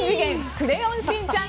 クレヨンしんちゃん